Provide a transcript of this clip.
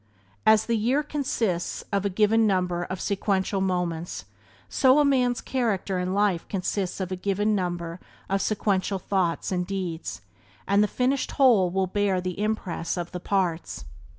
As the year consists, of a given number of sequential moments, so a man's character and life consists of a given number of sequential thoughts and deeds, and the finished whole will bear the impress of the parts.